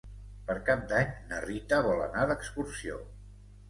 Per Cap d'Any na Rita vol anar d'excursió.